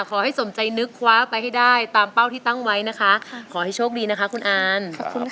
ขอให้สมใจนึกคว้าไปให้ได้ตามเป้าที่ตั้งไว้นะคะขอให้โชคดีนะคะคุณอานขอบคุณค่ะ